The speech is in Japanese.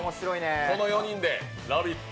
この４人で「ラヴィット！」